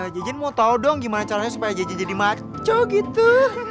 jajin mau tau dong gimana caranya supaya jajan jadi maco gitu